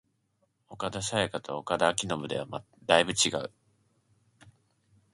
岡田紗佳と岡田彰布ではだいぶ違う